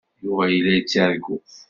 Yuba yella yettargu.